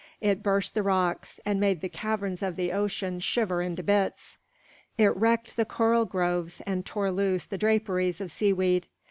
It burst the rocks and made the caverns of the ocean shiver into bits. It wrecked the coral groves and tore loose the draperies of sea weed.